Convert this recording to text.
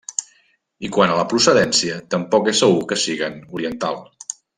I quant a la procedència, tampoc és segur que siguen oriental.